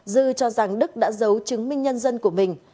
dư cho rằng đức đã giấu chứng minh nhân dân của mình